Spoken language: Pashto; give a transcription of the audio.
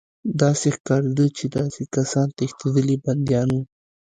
داسې ښکارېده چې دا کسان تښتېدلي بندیان وو